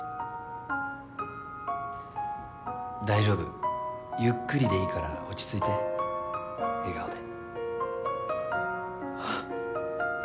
大丈夫ゆっくりでいいから落ち着いて笑顔で。